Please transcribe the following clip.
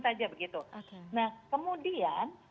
saja begitu nah kemudian